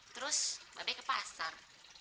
terus babek ke pasar